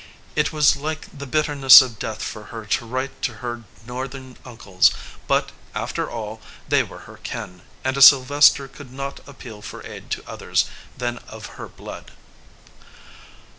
It was like the bitterness of death for her to write to her Northern uncles, but, after all, they were her kin, and a Sylvester could not appeal for aid to others than of her blood.